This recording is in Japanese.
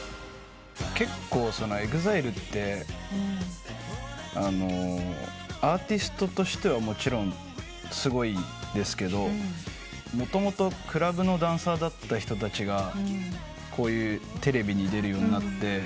結構ＥＸＩＬＥってアーティストとしてはもちろんすごいんですけどもともとクラブのダンサーだった人たちがテレビに出るようになって。